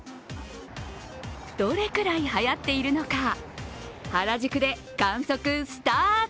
どれくらいはやっているのか、原宿で観測スタート。